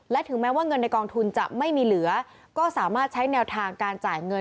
และถึงแม้ว่าเงินในกองทุนจะไม่มีเหลือก็สามารถใช้แนวทางการจ่ายเงิน